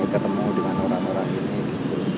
saya ketemu dengan orang orang gini gitu